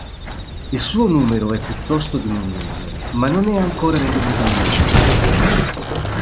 Il suo numero è piuttosto diminuito, ma non è ancora ritenuto minacciato.